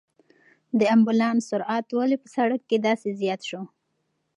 د امبولانس سرعت ولې په سړک کې داسې زیات شو؟